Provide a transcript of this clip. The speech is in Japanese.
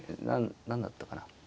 何だったかな。